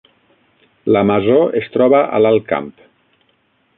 La Masó es troba a l’Alt Camp